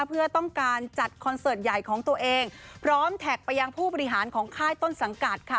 เพื่อต้องการจัดคอนเสิร์ตใหญ่ของตัวเองพร้อมแท็กไปยังผู้บริหารของค่ายต้นสังกัดค่ะ